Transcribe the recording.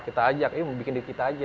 kita ajak ya bikin di kita aja